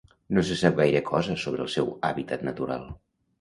No se sap gaire cosa sobre el seu hàbitat natural.